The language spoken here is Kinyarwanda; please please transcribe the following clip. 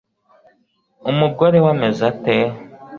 umugore we ameze ate